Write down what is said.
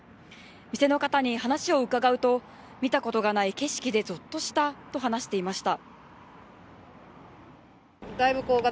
店の方に話を伺うと、見たことがない景色でぞっとしたと話していました。